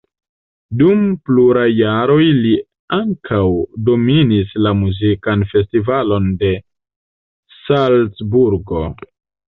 Dum pluraj jaroj li ankaŭ dominis la muzikan festivalon de Salcburgo.